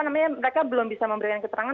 namanya mereka belum bisa memberikan keterangan